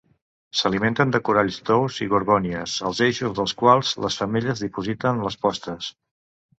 S'alimenten de coralls tous i gorgònies, als eixos dels quals les femelles dipositen les postes.